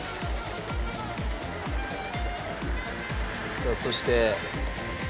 「さあそして」